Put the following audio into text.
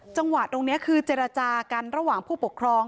จังหวะตรงนี้คือเจรจากันระหว่างผู้ปกครอง